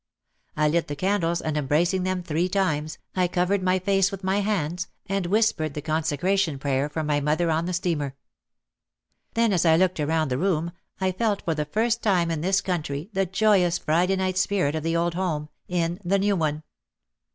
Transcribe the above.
I lit the candles and embracing them three times, I covered my face with my hands and whispered the consecration prayer for my mother on the steamer. Then as I looked around the room I felt for the first time in this country the joyous Friday night spirit of the old home, in the new one.